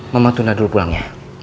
mama tunda dulu pulangnya